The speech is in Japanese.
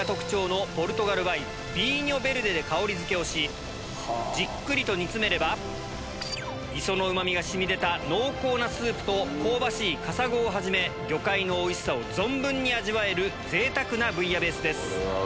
ヴィーニョ・ヴェルデで香りづけをしじっくりと煮つめれば磯のうま味が染み出た濃厚なスープと香ばしいカサゴをはじめ魚介のおいしさを存分に味わえる贅沢なブイヤベースです。